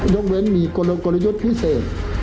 ยกเอ็นมีกลยกรยุทธิพิเศษ